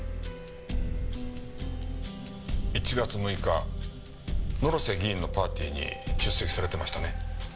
１月６日野呂瀬議員のパーティーに出席されてましたね？